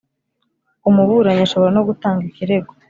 Umuburanyi ashobora no gutanga ikirego